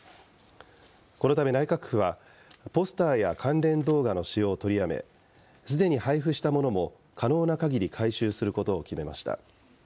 このため内閣府は、ポスターや関連動画の使用を取りやめ、すでに配布したものも可能なかぎり回収することを決めました。